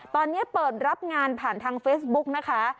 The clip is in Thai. ตอนนี้เปิดรับงานผ่านทางเฟซบุ๊กนะคะ